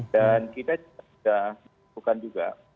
dan kita juga lakukan juga